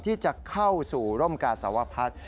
ที่จะเข้าสู่ร่มกาสวพัฒน์